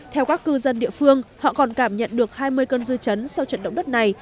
theo các cư dân địa phương họ còn cảm nhận được hai mươi cơn dư chấn sau trận động đất này